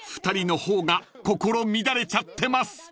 ［２人の方が心乱れちゃってます］